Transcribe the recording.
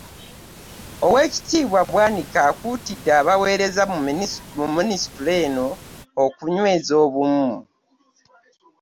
Oweekitiibwa Bwanika akuutidde abaweereza mu Minisitule eno okunyweza obumu